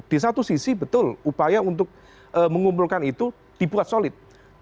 di satu sisi betul upaya untuk mengumpulkan itu dibuat solid